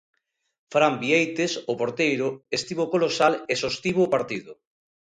Fran Vieites, o porteiro, estivo colosal e sostivo o partido.